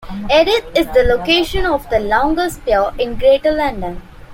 Erith is the location of the longest pier in Greater London.